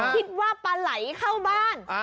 คิดว่าปลาไหลเข้าบ้าน